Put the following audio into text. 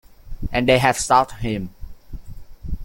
And they have shot him.